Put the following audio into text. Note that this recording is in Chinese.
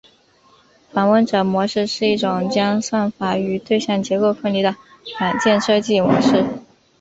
访问者模式是一种将算法与对象结构分离的软件设计模式。